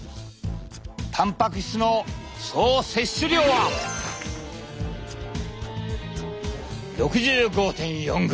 たんぱく質の総摂取量は６５．４ｇ。